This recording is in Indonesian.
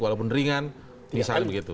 walaupun ringan misalnya begitu